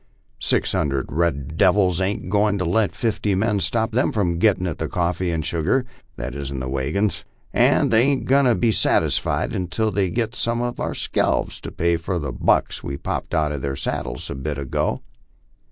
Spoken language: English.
Six hundred red devils ain't agoin' to let fifty men stop them from gettin' at the coffee and sugar that is in these wagons. And they ain't agoin' to be satisfied until they get some of our scalps to pay for the bucks we popped out of their saddles a bit ago."